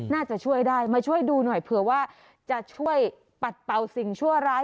น่าจะช่วยได้มาช่วยดูหน่อยเผื่อว่าจะช่วยปัดเป่าสิ่งชั่วร้าย